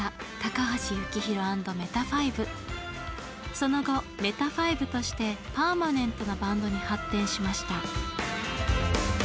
その後ＭＥＴＡＦＩＶＥとしてパーマネントなバンドに発展しました。